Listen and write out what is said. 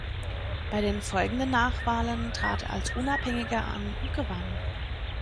Bei den folgenden Nachwahlen trat er als Unabhängiger an und gewann.